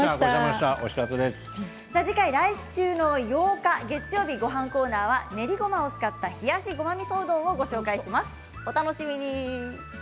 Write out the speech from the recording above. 来週の８日月曜日のごはんコーナーは練りごまを使った冷やしごまみそうどんをご紹介します。